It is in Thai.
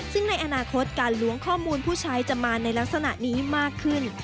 ซึ่งในอนาคตการล้วงข้อมูลผู้ใช้จะมาในลักษณะนี้มากขึ้น